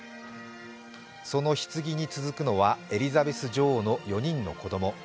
そのひつぎに続くのはエリザベス女王の４人の子供。